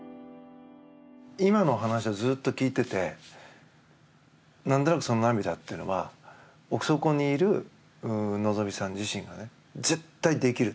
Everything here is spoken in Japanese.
今の話をずっと聞いてて何となくその涙というのは奥底にいる希実さん自身が絶対できる！